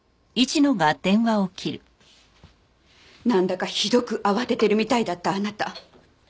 なんだかひどく慌ててるみたいだったあなた。